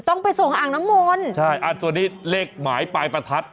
ต้องไปส่งอ่างน้ำมนต์ใช่อ่าส่วนนี้เลขหมายปลายประทัด